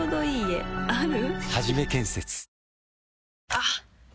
あっ！